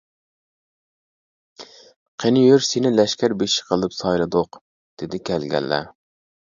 -قېنى، يۈر، سېنى لەشكەر بېشى قىلىپ سايلىدۇق-دېدى كەلگەنلەر.